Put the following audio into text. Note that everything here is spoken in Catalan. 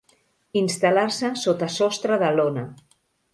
Instal·lar-se sota sostre de lona.